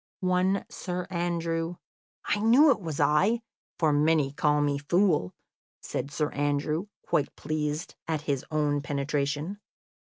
"One Sir Andrew " "I knew it was I, for many call me fool," said Sir Andrew, quite pleased at his own penetration.